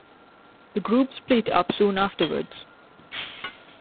The group split up soon afterwards.